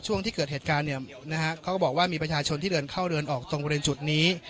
ช่วงที่เกิดเหตุการณ์เนี่ยนะฮะเขาก็บอกว่ามีประชาชนที่เดินเข้าเดินออกตรงบริเวณจุดนี้